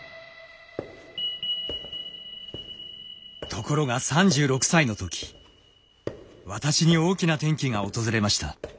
ところが３６歳の時私に大きな転機が訪れました。